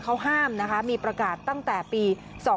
เขาห้ามนะคะมีประกาศตั้งแต่ปี๒๕๕๙